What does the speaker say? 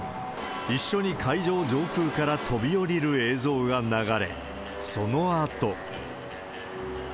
一緒に会場上空から飛び降りる映像が流れ、そのあと。